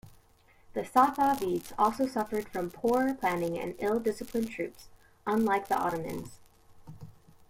The Safavids also suffered from poor planning and ill-disciplined troops unlike the Ottomans.